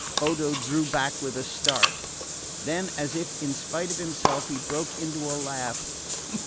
Odo drew back with a start; then, as if in spite of himself, he broke into a laugh.